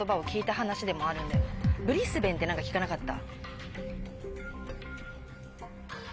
ブリスベンって聞かなかった？